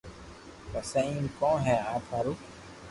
پسي ايم ڪون ھي آپ ھارو